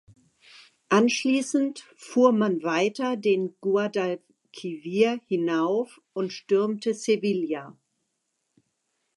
Anschließend fuhr man weiter den Guadalquivir hinauf und stürmte Sevilla.